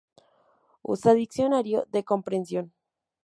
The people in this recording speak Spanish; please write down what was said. Usa diccionario de compresión.